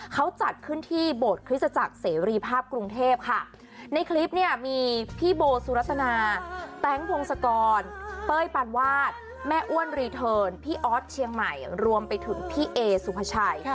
เขาจัดขึ้นที่โบสถ์คริสตจักรเสรีภาพกรุงเทพค่ะในคลิปเนี่ยมีพี่โบสุรัตนาแต๊งพงศกรเป้ยปานวาดแม่อ้วนรีเทิร์นพี่ออสเชียงใหม่รวมไปถึงพี่เอสุภาชัย